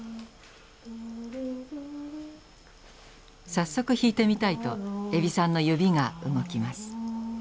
早速弾いてみたいと海老さんの指が動きます。